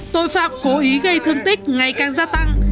tội phạm cố ý gây thương tích ngày càng gia tăng